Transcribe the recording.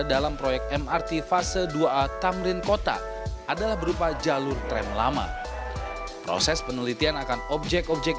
dalam proyek mrt fase dua a tamrin kota adalah berupa jalur tram lama proses penelitian akan objek objek